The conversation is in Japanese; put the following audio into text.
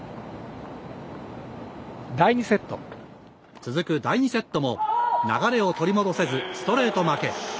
続く第２セットも流れを取り戻せずストレート負け。